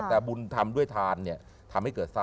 แต่บุญทำด้วยทานเนี่ยทำให้เกิดทรั